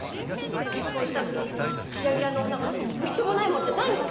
結婚したくてギラギラの女ほどみっともないものってないもん！